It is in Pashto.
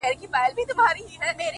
لكه گلاب چي سمال ووهي ويده سمه زه _